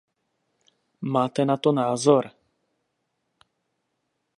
Máte na to názor?